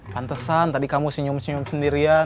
pantesan tadi kamu senyum senyum sendirian